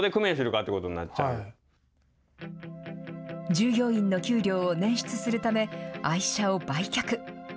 従業員の給料を捻出するため愛車を売却。